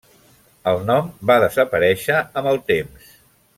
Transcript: El nom va desaparèixer amb el temps.